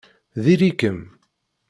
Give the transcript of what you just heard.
Diri-kem.